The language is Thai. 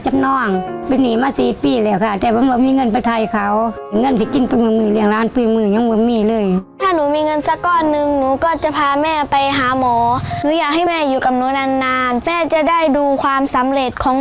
ห้องไปหนีมา๔ปีเลยค่ะแต่ผมยังไม่มีเงินมาไทยเขา